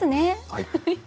はい。